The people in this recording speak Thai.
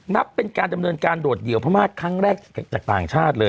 นับเป็นการดำเนินการโดดเดี่ยวพม่าครั้งแรกจากต่างชาติเลย